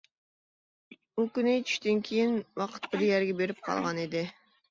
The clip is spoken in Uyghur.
ئۇ كۈنى چۈشتىن كېيىن ۋاقىت بىر يەرگە بېرىپ قالغانىدى.